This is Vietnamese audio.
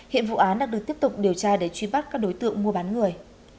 hiện vụ án đang được tiếp tục điều tra để truy bắt các đối tượng mua bán người